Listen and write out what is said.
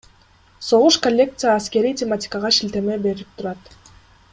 Согуш Коллекция аскерий тематикага шилтеме берип турат.